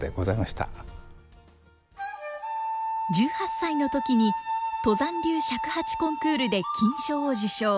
１８歳の時に都山流尺八コンクールで金賞を受賞。